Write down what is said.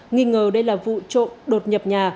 nghĩ ngờ đây là vụ trộn đột nhập nhà